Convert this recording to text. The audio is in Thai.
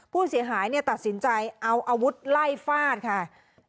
ผู้เสียหายตัดสินใจเอาอาวุธไล่ฟาดค่ะ